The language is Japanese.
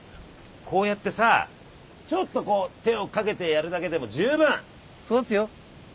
こうやってさちょっとこう手をかけてやるだけでもじゅうぶん育つよ。